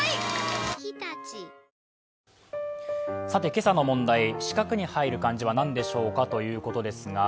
今朝の問題、四角に入る文字は何でしょうかということです。